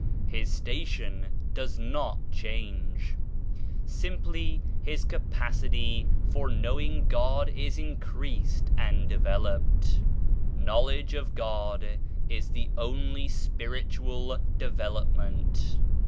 His station does not change ; simply his capacity for knowing God is increased and developed. Knowledge of God is the only spiritual develop ment.